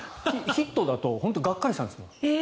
ヒットだとがっかりしたんです。